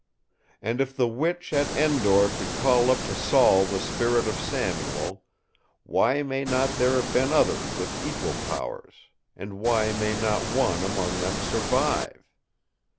And if the Witch at Endor could call up to Saul the spirit of Samuel, why may not there have been others with equal powers; and why may not one among them survive?